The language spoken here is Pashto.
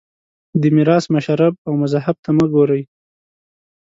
دې میراث مشرب او مذهب ته مه ګورئ